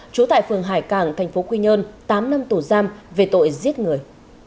chú tại phường hải cảng thành phố quy nhơn tám năm tù giam về tội giết người